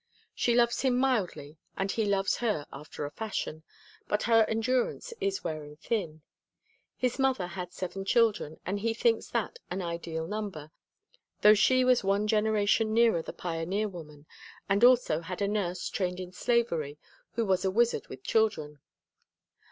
She loves him mildly and he loves her after a fashion, but her endurance is wearing thin. His mother had seven children and he thinks that an ideal number, though she was one generation nearer the pioneer woman and also had a nurse trained in slavery who was a wizard with children.